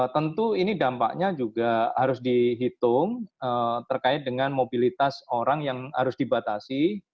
tentu ini dampaknya juga harus dihitung terkait dengan mobilitas orang yang harus dibatasi